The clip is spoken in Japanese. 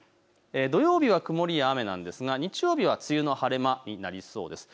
土曜日は曇りや雨なんですが日曜日は梅雨の晴れ間になりそうです。